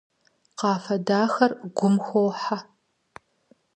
Къафэ дахэр гум хохьэ.